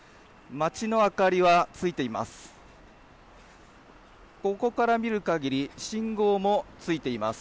街の明かりはついています。